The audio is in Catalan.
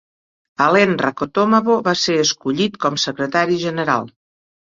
Alain Rakotomavo va ser escollit com secretari general.